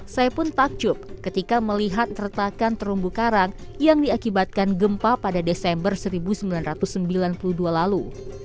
saya pun takjub ketika melihat retakan terumbu karang yang diakibatkan gempa pada desember seribu sembilan ratus sembilan puluh dua lalu